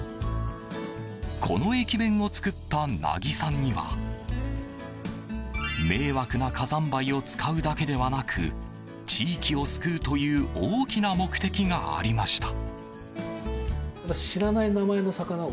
この駅弁を作った梛木さんには迷惑な火山灰を使うだけではなく地域を救うという大きな目的がありました。